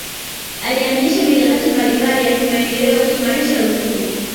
alianzisha mikakati mbalimbali ya kimaendeleo kuimarisha uchumi